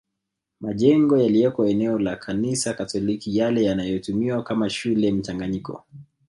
Majengo yaliyoko eneo la Kanisa Katoliki yale yanayotumiwa kama shule mchanganyiko